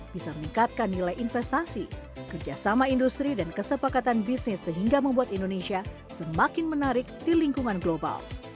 bisa meningkatkan nilai investasi kerjasama industri dan kesepakatan bisnis sehingga membuat indonesia semakin menarik di lingkungan global